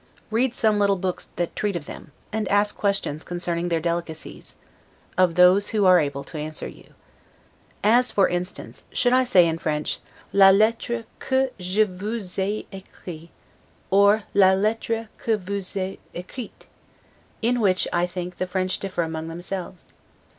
Read some little books that treat of them, and ask questions concerning their delicacies, of those who are able to answer you. As, for instance, should I say in French, 'la lettre que je vous ai ECRIT', or, 'la lettre que je vous ai ECRITE'? in which, I think, the French differ among themselves.